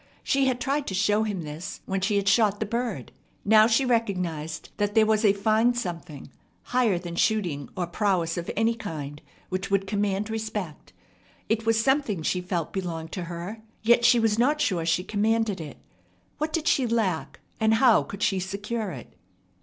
She had tried to show him this when she had shot the bird. Now she recognized that there was a fine something, higher than shooting or prowess of any kind, which would command respect. It was something she felt belonged to her, yet she was not sure she commanded it. What did she lack, and how could she secure it?